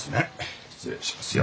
失礼しますよ。